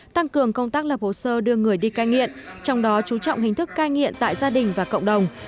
tăng cường công tác lập hồ sơ đưa người đi cai nghiện trong đó chú trọng hình thức cai nghiện tại gia đình và cộng đồng